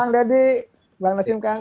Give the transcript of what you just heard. kang dedi bang nasim khan